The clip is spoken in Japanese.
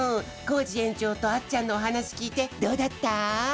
コージ園長とあっちゃんのおはなしきいてどうだった？